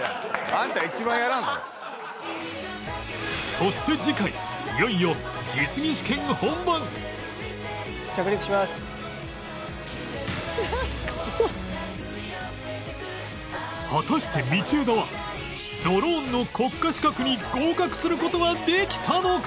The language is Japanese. そして果たして道枝はドローンの国家資格に合格する事はできたのか？